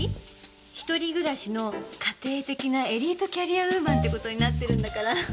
一人暮らしの家庭的なエリートキャリアウーマンって事になってるんだから。